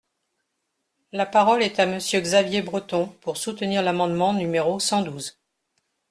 La parole est à Monsieur Xavier Breton, pour soutenir l’amendement numéro cent douze.